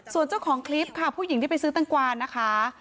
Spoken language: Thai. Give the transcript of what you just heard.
ส่วนเจ้าของคลิปค่ะผู้หญิงที่ไปซื้อตังกวานะคะ